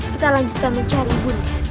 kita lanjutkan mencari bunda